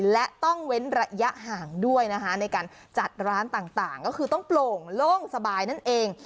และต้องเว้นระยะห่างด้วยนะคะในการจัดร้านต่างก็คือต้องโปร่งโล่งสบายนั่นเอง